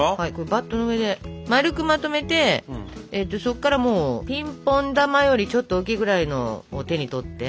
バットの上で丸くまとめてそっからもうピンポン球よりちょっと大きいぐらいのを手に取って。